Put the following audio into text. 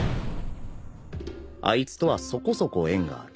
あいつとはそこそこ縁がある